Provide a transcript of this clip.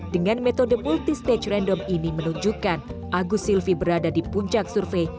dengan metode multistage random ini menunjukkan agus silvi berada di puncak survei